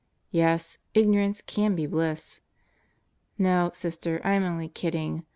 Yes, "Ignorance can be bliss!" No, Sister, I am only kidding.